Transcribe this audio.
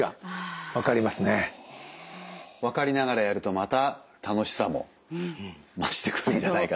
分かりながらやるとまた楽しさも増してくるんじゃないかと。